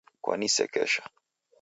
Kwanisekesha.